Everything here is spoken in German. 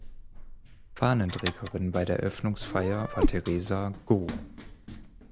Fahnenträgerin bei der Eröffnungsfeier war Theresa Goh.